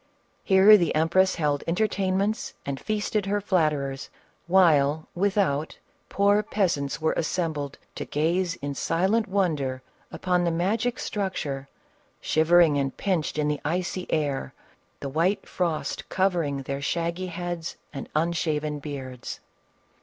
Here the empress held entertainments and feasted her flatterers, while, without, poor peasants were assembled to gaze in silent wonder upon the magic structure, shivering and pinched in the icy air, the white frost covering their shaggy heads and unshaven beards.